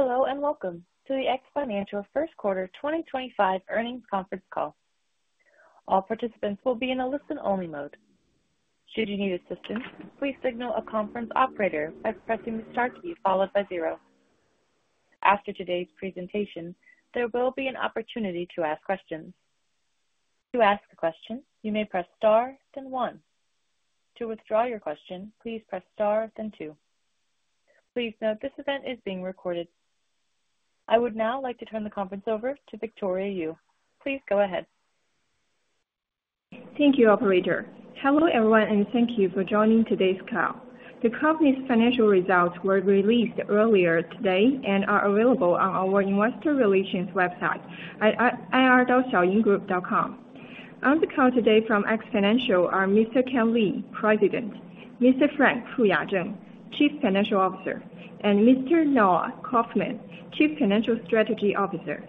Hello, and welcome to the X Financial First Quarter 2025 earnings conference call. All participants will be in a listen-only mode. Should you need assistance, please signal a conference operator by pressing the star key followed by zero. After today's presentation, there will be an opportunity to ask questions. To ask a question, you may press star, then one. To withdraw your question, please press star, then two. Please note this event is being recorded. I would now like to turn the conference over to Victoria Yu. Please go ahead. Thank you, Operator. Hello everyone, and thank you for joining today's call. The company's financial results were released earlier today and are available on our investor relations website at ir.xiaoyingroup.com. On the call today from X Financial are Mr. Kent Li, President; Mr. Frank Fuya Zheng, Chief Financial Officer; and Mr. Noah Kauffman, Chief Financial Strategy Officer.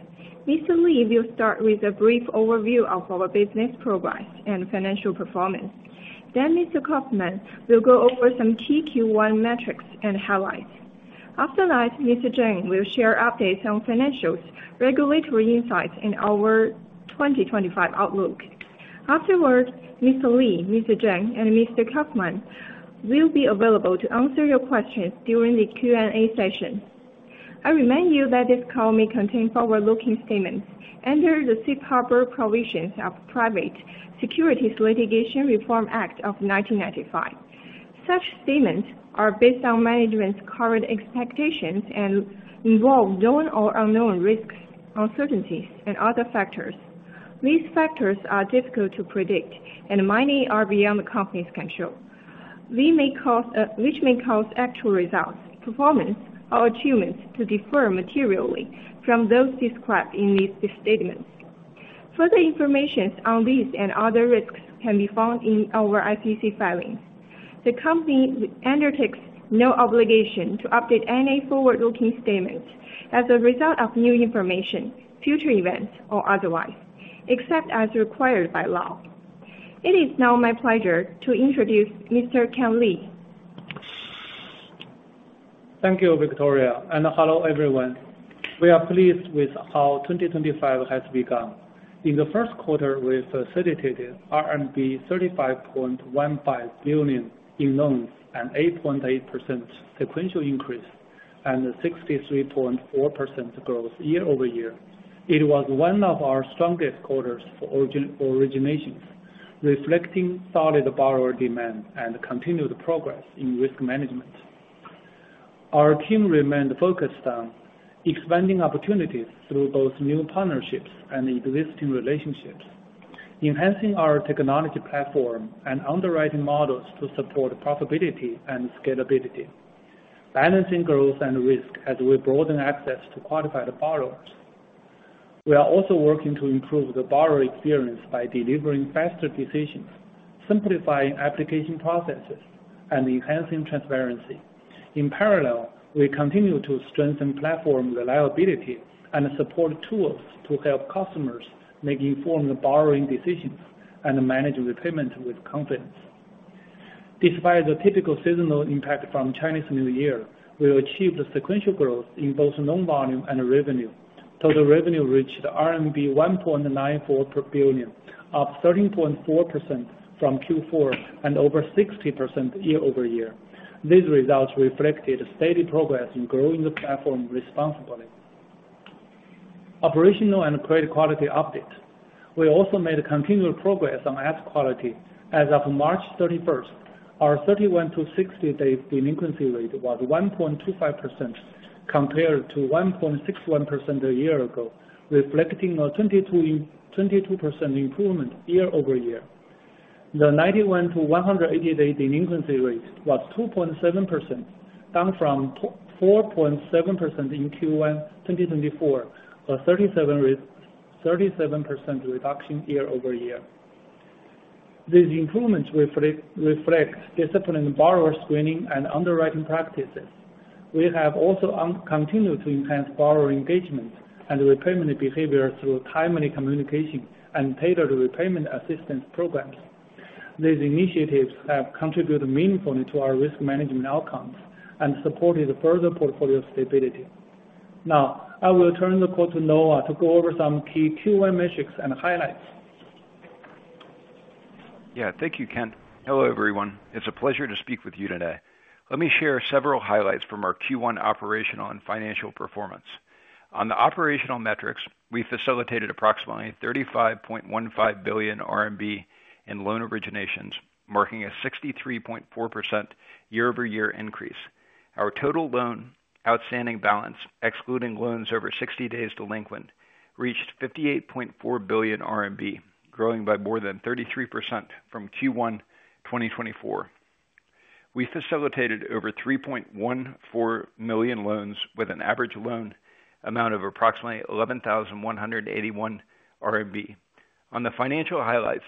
Mr. Li will start with a brief overview of our business progress and financial performance. Mr. Kauffman will go over some key Q1 metrics and highlights. After that, Mr. Zheng will share updates on financials, regulatory insights, and our 2025 outlook. Afterwards, Mr. Li, Mr. Zheng, and Mr. Kauffman will be available to answer your questions during the Q&A session. I remind you that this call may contain forward-looking statements under the Safe Harbor Provisions of the Private Securities Litigation Reform Act of 1995. Such statements are based on management's current expectations and involve known or unknown risks, uncertainties, and other factors. These factors are difficult to predict, and many are beyond the company's control, which may cause actual results, performance, or achievements to differ materially from those described in these statements. Further information on these and other risks can be found in our SEC filings. The company undertakes no obligation to update any forward-looking statements as a result of new information, future events, or otherwise, except as required by law. It is now my pleasure to introduce Mr. Kent Li. Thank you, Victoria, and hello everyone. We are pleased with how 2025 has begun. In the first quarter, we facilitated RMB 35.15 billion in loans, an 8.8% sequential increase and 63.4% growth year-over-year. It was one of our strongest quarters for originations, reflecting solid borrower demand and continued progress in risk management. Our team remained focused on expanding opportunities through both new partnerships and existing relationships, enhancing our technology platform and underwriting models to support profitability and scalability, balancing growth and risk as we broaden access to qualified borrowers. We are also working to improve the borrower experience by delivering faster decisions, simplifying application processes, and enhancing transparency. In parallel, we continue to strengthen platform reliability and support tools to help customers make informed borrowing decisions and manage repayment with confidence. Despite the typical seasonal impact from Chinese New Year, we achieved sequential growth in both loan volume and revenue. Total revenue reached RMB 1.94 billion, up 13.4% from Q4 and over 60% year-over-year. These results reflected steady progress in growing the platform responsibly. Operational and credit quality updates. We also made continual progress on asset quality as of March 31. Our 31-60 day delinquency rate was 1.25% compared to 1.61% a year ago, reflecting a 22% improvement year-over-year. The 91-180 day delinquency rate was 2.7%, down from 4.7% in Q1 2024, a 37% reduction year-over-year. These improvements reflect disciplined borrower screening and underwriting practices. We have also continued to enhance borrower engagement and repayment behavior through timely communication and tailored repayment assistance programs. These initiatives have contributed meaningfully to our risk management outcomes and supported further portfolio stability. Now, I will turn the call to Noah to go over some key Q1 metrics and highlights. Yeah, thank you, Kent. Hello everyone. It's a pleasure to speak with you today. Let me share several highlights from our Q1 operational and financial performance. On the operational metrics, we facilitated approximately 35.15 billion RMB in loan originations, marking a 63.4% year-over-year increase. Our total loan outstanding balance, excluding loans over 60 days delinquent, reached 58.4 billion RMB, growing by more than 33% from Q1 2024. We facilitated over 3.14 million loans with an average loan amount of approximately 11,181 RMB. On the financial highlights,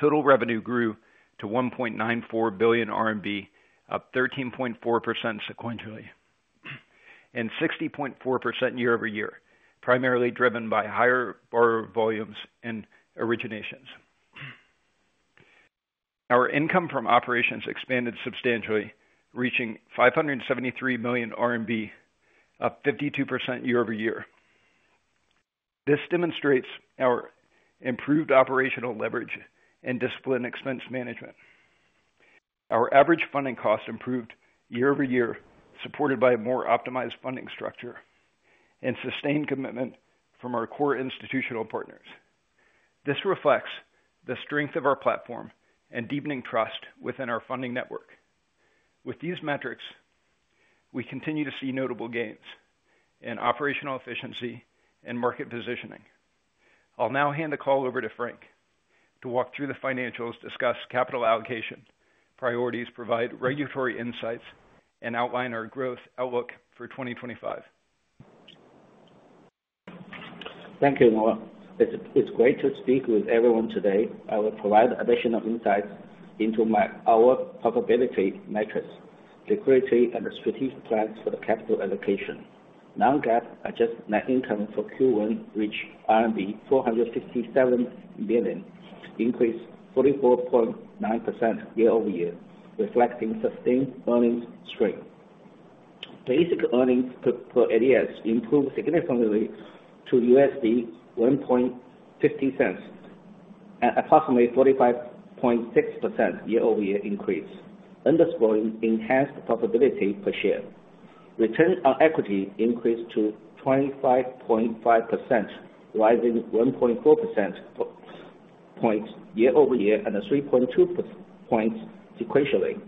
total revenue grew to 1.94 billion RMB, up 13.4% sequentially and 60.4% year-over-year, primarily driven by higher borrower volumes and originations. Our income from operations expanded substantially, reaching 573 million RMB, up 52% year-over-year. This demonstrates our improved operational leverage and disciplined expense management. Our average funding cost improved year-over-year, supported by a more optimized funding structure and sustained commitment from our core institutional partners. This reflects the strength of our platform and deepening trust within our funding network. With these metrics, we continue to see notable gains in operational efficiency and market positioning. I'll now hand the call over to Frank to walk through the financials, discuss capital allocation priorities, provide regulatory insights, and outline our growth outlook for 2025. Thank you, Noah. It's great to speak with everyone today. I will provide additional insights into our profitability metrics, liquidity, and the strategic plans for the capital allocation. Non-GAAP adjusted net income for Q1 reached RMB 467 billion, increased 44.9% year-over-year, reflecting sustained earnings strength. Basic earnings per ADS improved significantly to $1.50, an approximately 45.6% year-over-year increase, underscoring enhanced profitability per share. Return on equity increased to 25.5%, rising 1.4 percentage points year-over-year and 3.2 percentage points sequentially,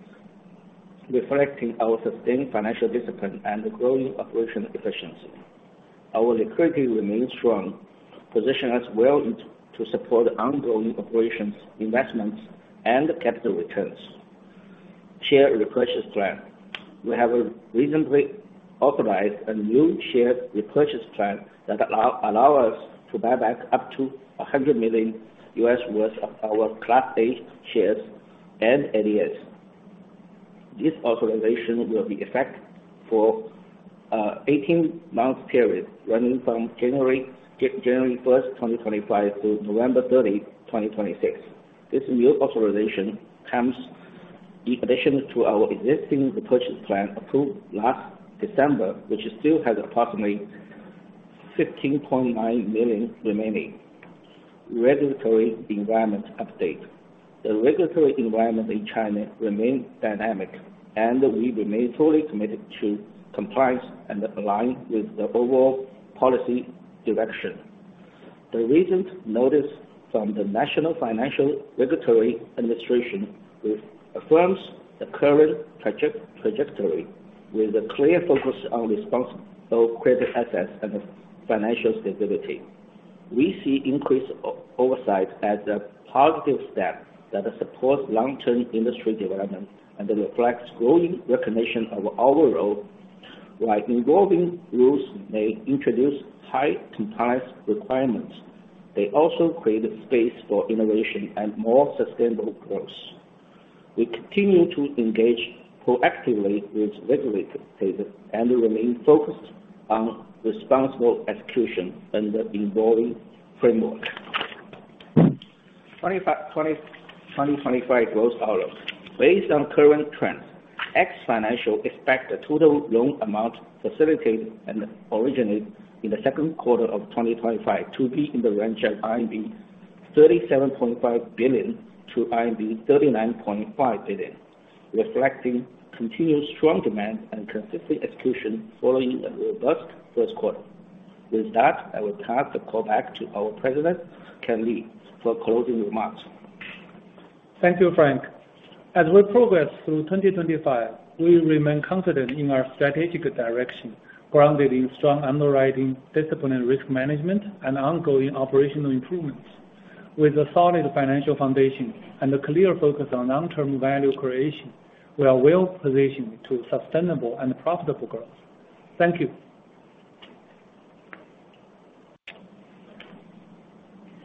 reflecting our sustained financial discipline and growing operational efficiency. Our liquidity remains strong, positioning us well to support ongoing operations, investments, and capital returns. Share repurchase plan. We have recently authorized a new share repurchase plan that allows us to buy back up to $100 million worth of our Class A shares and ADS. This authorization will be effective for an 18-month period, running from January 1, 2025, through November 30, 2026. This new authorization comes in addition to our existing repurchase plan approved last December, which still has approximately 15.9 million remaining. Regulatory environment update. The regulatory environment in China remains dynamic, and we remain fully committed to compliance and align with the overall policy direction. The recent notice from the National Financial Regulatory Administration affirms the current trajectory, with a clear focus on responsible credit assets and financial stability. We see increased oversight as a positive step that supports long-term industry development and reflects growing recognition of our role while evolving rules may introduce high compliance requirements. They also create space for innovation and more sustainable growth. We continue to engage proactively with regulators and remain focused on responsible execution and the evolving framework. 2025 growth outlook. Based on current trends, X Financial expects the total loan amount facilitated and originated in the second quarter of 2025 to be in the range of 37.5 billion-39.5 billion, reflecting continued strong demand and consistent execution following a robust first quarter. With that, I will pass the call back to our President, Kent Li, for closing remarks. Thank you, Frank. As we progress through 2025, we remain confident in our strategic direction, grounded in strong underwriting, disciplined risk management, and ongoing operational improvements. With a solid financial foundation and a clear focus on long-term value creation, we are well positioned to sustainable and profitable growth. Thank you.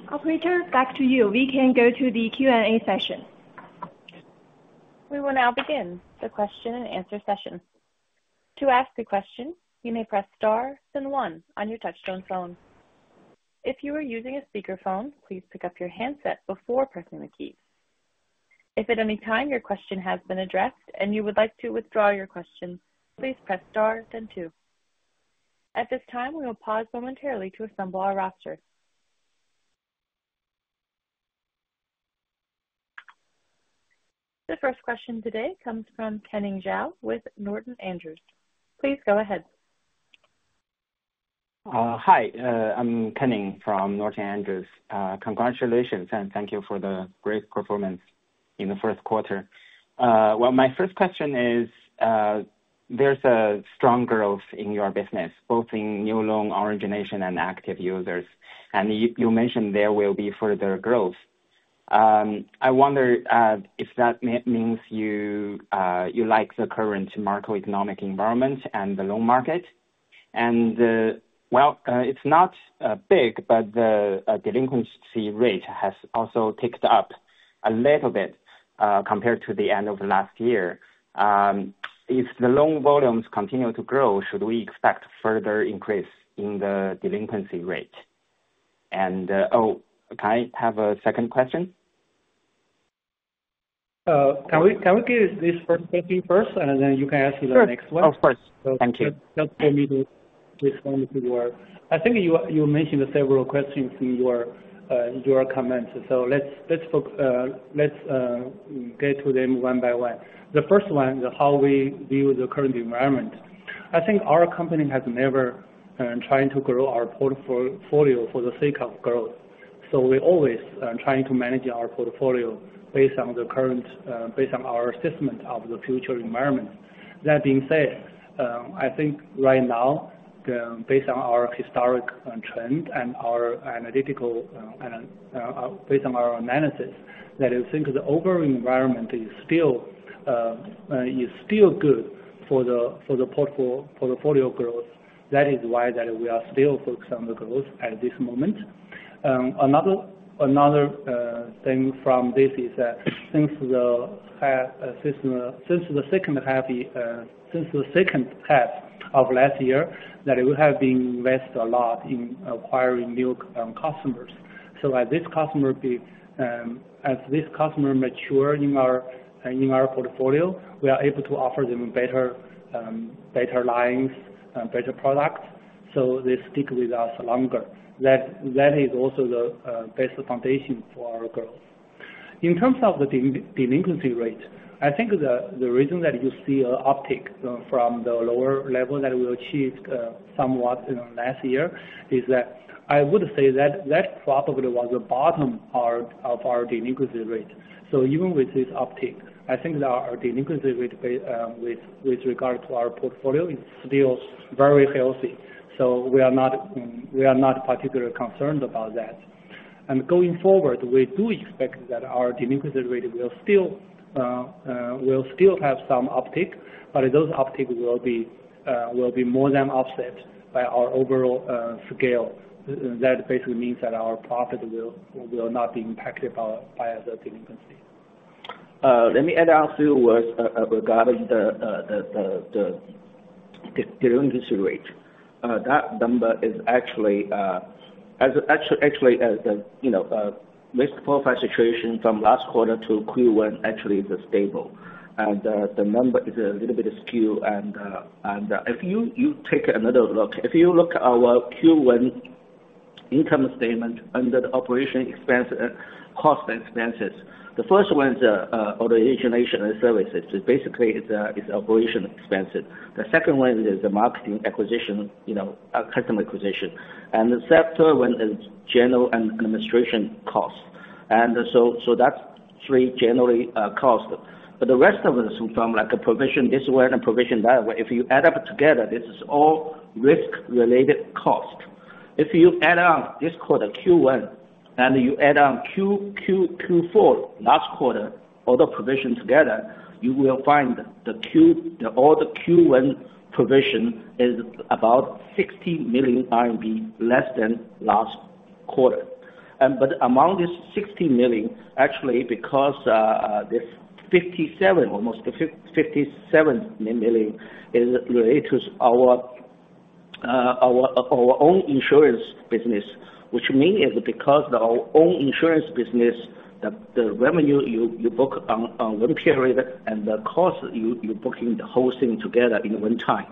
Operator, back to you. We can go to the Q&A session. We will now begin the question and answer session. To ask a question, you may press star then one on your touchstone phone. If you are using a speakerphone, please pick up your handset before pressing the keys. If at any time your question has been addressed and you would like to withdraw your question, please press star then two. At this time, we will pause momentarily to assemble our roster. The first question today comes from Kenning Zhao with Norton Andrews. Please go ahead. Hi, I'm Kenning from Norton Andrews. Congratulations and thank you for the great performance in the first quarter. My first question is, there's a strong growth in your business, both in new loan origination and active users, and you mentioned there will be further growth. I wonder if that means you like the current macroeconomic environment and the loan market. It's not big, but the delinquency rate has also ticked up a little bit compared to the end of last year. If the loan volumes continue to grow, should we expect further increase in the delinquency rate? Oh, can I have a second question? Can we get this first question first, and then you can ask the next one? Sure, of course. Thank you. Just for me to respond to your... I think you mentioned several questions in your comments, so let's get to them one by one. The first one is how we view the current environment. I think our company has never been trying to grow our portfolio for the sake of growth. We are always trying to manage our portfolio based on the current, based on our assessment of the future environment. That being said, I think right now, based on our historic trend and our analytical, based on our analysis, I think the overall environment is still good for the portfolio growth. That is why we are still focused on the growth at this moment. Another thing from this is that since the second half of last year, we have been investing a lot in acquiring new customers. As this customer matures in our portfolio, we are able to offer them better lines and better products so they stick with us longer. That is also the basic foundation for our growth. In terms of the delinquency rate, I think the reason that you see an uptick from the lower level that we achieved somewhat in the last year is that I would say that probably was the bottom of our delinquency rate. Even with this uptick, I think our delinquency rate with regard to our portfolio is still very healthy. We are not particularly concerned about that. Going forward, we do expect that our delinquency rate will still have some uptick, but those upticks will be more than offset by our overall scale. That basically means that our profit will not be impacted by the delinquency. Let me add a few words regarding the delinquency rate. That number is actually, actually the risk profile situation from last quarter to Q1 actually is stable. The number is a little bit skewed. If you take another look, if you look at our Q1 income statement under the operation cost expenses, the first one is origination and services. Basically, it is operation expenses. The second one is the marketing acquisition, customer acquisition. The third one is general and administration costs. That is three general costs. The rest of it is from like a provision this way and a provision that way. If you add up together, this is all risk-related cost. If you add on this quarter, Q1, and you add on Q4 last quarter, all the provision together, you will find that all the Q1 provision is about 60 million RMB less than last quarter. Among this 60 million, actually, because this 57 million, almost 57 million, is related to our own insurance business, which means because our own insurance business, the revenue you book on one period and the cost you're booking the whole thing together in one time.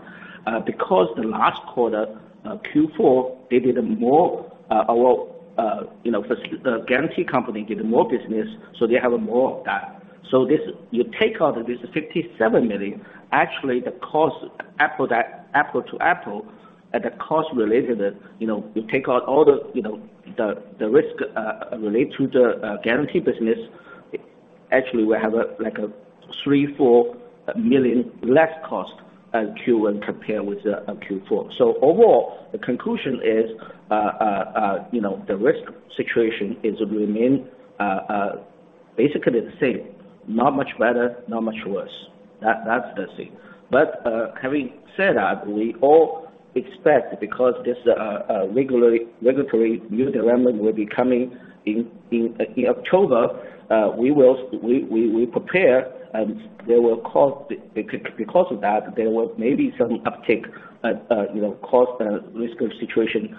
The last quarter, Q4, they did more, our guarantee company did more business, so they have more of that. You take out this 57 million, actually the cost, apple to apple, and the cost related, you take out all the risk related to the guarantee business, actually we have like 3 million-4 million less cost as Q1 compared with Q4. Overall, the conclusion is the risk situation is to remain basically the same, not much better, not much worse. That is the thing. Having said that, we all expect because this regulatory new derailment will be coming in October, we prepare, and because of that, there will maybe some uptick, cost and risk situation,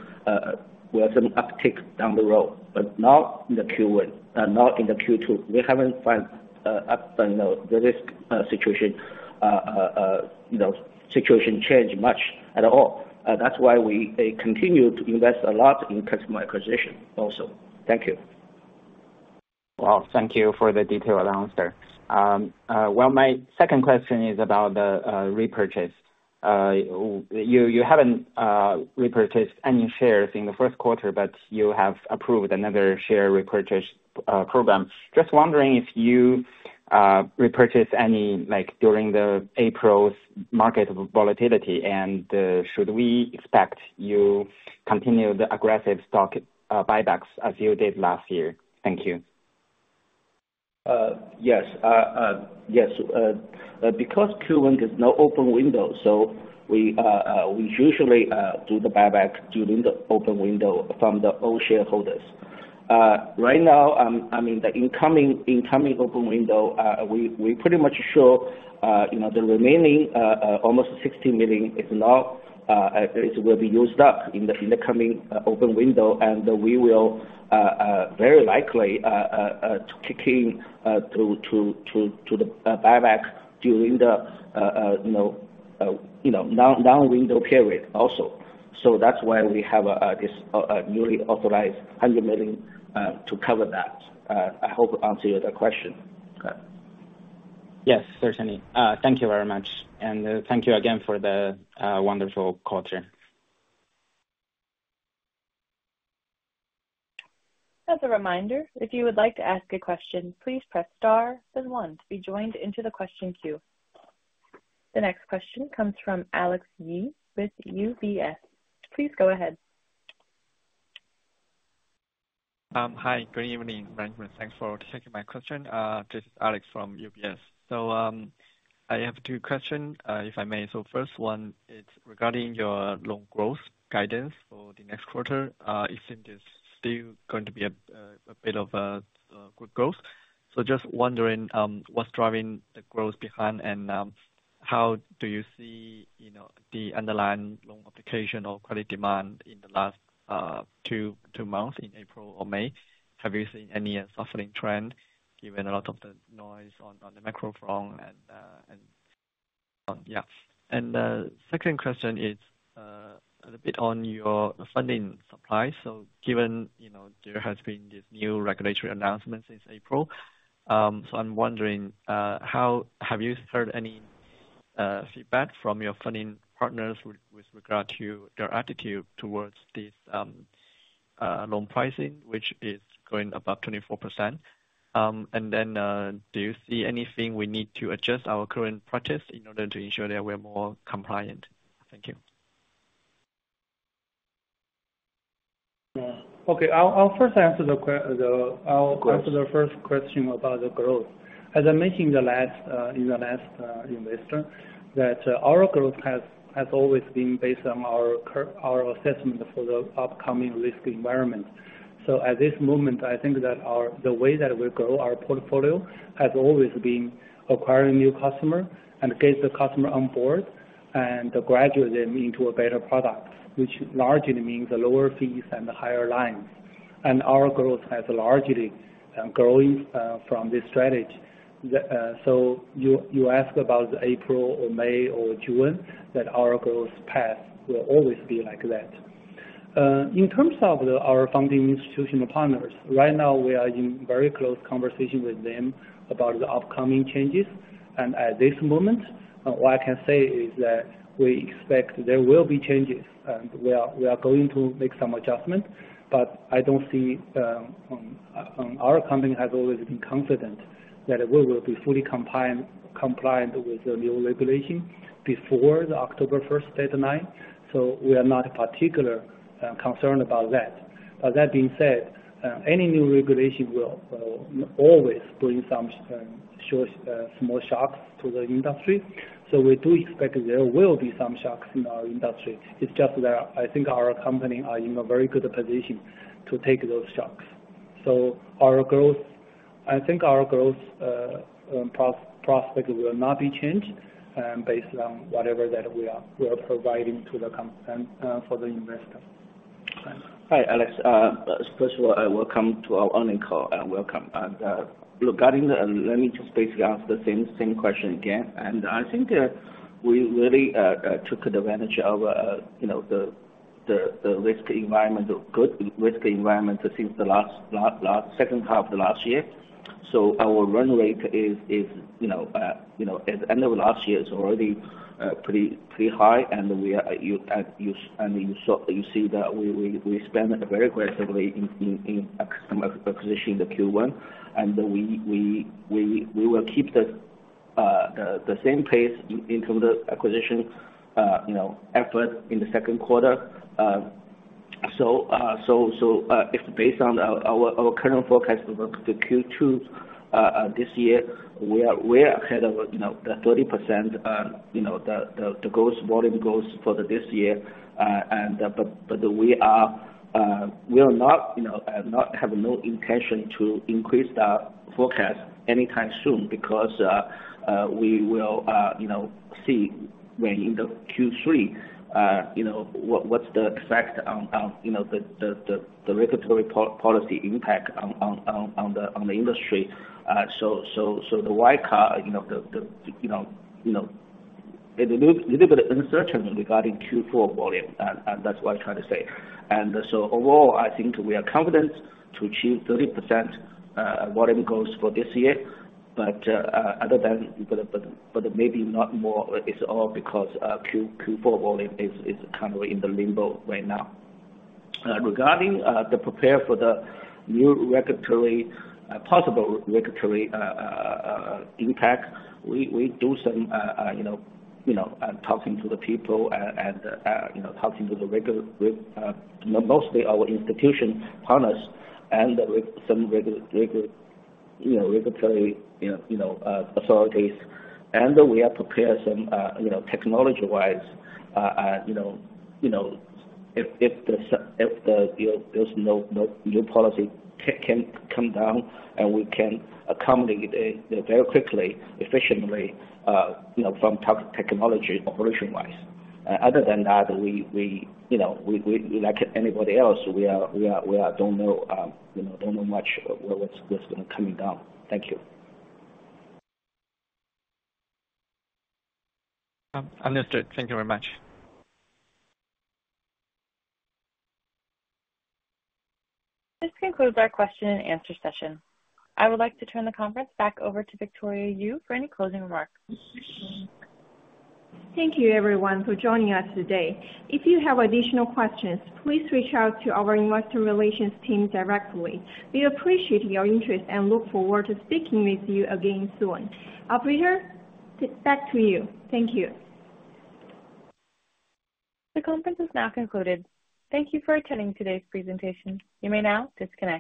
we have some uptick down the road, but not in Q1, not in Q2. We have not found the risk situation changed much at all. That is why we continue to invest a lot in customer acquisition also. Thank you. Thank you for the detailed answer. My second question is about the repurchase. You haven't repurchased any shares in the first quarter, but you have approved another share repurchase program. Just wondering if you repurchased any during April's market volatility, and should we expect you continue the aggressive stock buybacks as you did last year? Thank you. Yes. Yes. Because Q1 is no open window, we usually do the buyback during the open window from the own shareholders. Right now, I mean, the incoming open window, we pretty much show the remaining almost 60 million is not, it will be used up in the coming open window, and we will very likely kick in to the buyback during the non-window period also. That is why we have this newly authorized 100 million to cover that. I hope answered your question. Yes, sir. Thank you very much. Thank you again for the wonderful quarter. As a reminder, if you would like to ask a question, please press star then one to be joined into the question queue. The next question comes from Alex Yee with UBS. Please go ahead. Hi. Good evening, Frank. Thanks for taking my question. This is Alex from UBS. I have two questions, if I may. First one is regarding your loan growth guidance for the next quarter. It seems it's still going to be a bit of good growth. Just wondering what's driving the growth behind, and how do you see the underlying loan application or credit demand in the last two months in April or May? Have you seen any softening trend given a lot of the noise on the microphone? Yeah. The second question is a bit on your funding supply. Given there has been this new regulatory announcement since April, I'm wondering, have you heard any feedback from your funding partners with regard to their attitude towards this loan pricing, which is going above 24%? Do you see anything we need to adjust in our current practice in order to ensure that we are more compliant? Thank you. Okay. I'll first answer the first question about the growth. As I mentioned in the last investor, our growth has always been based on our assessment for the upcoming risk environment. At this moment, I think that the way that we grow our portfolio has always been acquiring new customers and getting the customer on board and graduating into a better product, which largely means lower fees and higher lines. Our growth has largely grown from this strategy. You ask about the April or May or June, our growth path will always be like that. In terms of our funding institutional partners, right now we are in very close conversation with them about the upcoming changes. At this moment, what I can say is that we expect there will be changes, and we are going to make some adjustments. I don't see our company has always been confident that we will be fully compliant with the new regulation before the October 1 deadline. We are not particularly concerned about that. That being said, any new regulation will always bring some small shocks to the industry. We do expect there will be some shocks in our industry. I think our company is in a very good position to take those shocks. I think our growth prospect will not be changed based on whatever that we are providing for the investor. Hi, Alex. First of all, welcome to our online call and welcome. Regarding, let me just basically ask the same question again. I think we really took advantage of the risk environment, good risk environment since the second half of last year. Our run rate is, at the end of last year, is already pretty high. You see that we spend very aggressively in acquisition in Q1. We will keep the same pace in terms of acquisition effort in the second quarter. Based on our current forecast for Q2 this year, we are ahead of the 30% growth volume growth for this year. We are not, not have no intention to increase the forecast anytime soon because we will see when in Q3 what is the effect on the regulatory policy impact on the industry. The white card, it's a little bit uncertain regarding Q4 volume. That's what I'm trying to say. Overall, I think we are confident to achieve 30% volume goals for this year, but maybe not more. It's all because Q4 volume is kind of in limbo right now. Regarding the preparation for the new regulatory, possible regulatory impact, we do some talking to the people and talking to mostly our institution partners and some regulatory authorities. We are prepared technology-wise. If there's a new policy that comes down, we can accommodate it very quickly, efficiently from technology, operation-wise. Other than that, like anybody else, we do not know much what's going to come down. Thank you. Understood. Thank you very much. This concludes our question-and-answer session. I would like to turn the conference back over to Victoria Yu for any closing remarks. Thank you, everyone, for joining us today. If you have additional questions, please reach out to our investor relations team directly. We appreciate your interest and look forward to speaking with you again soon. Operator, back to you. Thank you. The conference is now concluded. Thank you for attending today's presentation. You may now disconnect.